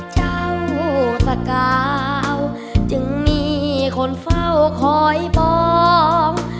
เจ้าสกาวจึงมีคนเฝ้าคอยบอก